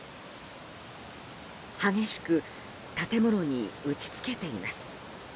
激しく建物に打ち付けています。